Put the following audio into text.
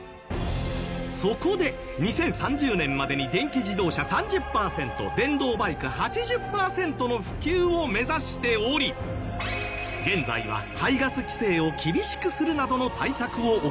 そこで２０３０年までに電気自動車３０パーセント電動バイク８０パーセントの普及を目指しており現在は排ガス規制を厳しくするなどの対策を行っています。